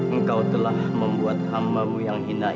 engkau telah membuat hambamu yang hina